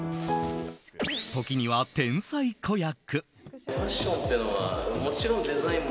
時には天才子役。